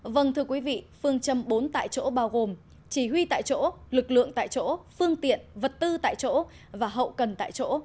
vâng thưa quý vị phương châm bốn tại chỗ bao gồm chỉ huy tại chỗ lực lượng tại chỗ phương tiện vật tư tại chỗ và hậu cần tại chỗ